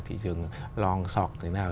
thị trường long sọc thế nào